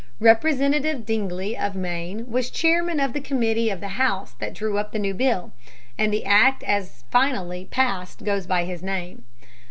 Representative Dingley of Maine was chairman of the committee of the House that drew up the new bill, and the act as finally passed goes by his name.